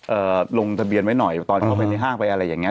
ลงทะเบียนไว้หน่อยตอนเข้าไปในห้างไปอะไรอย่างเงี้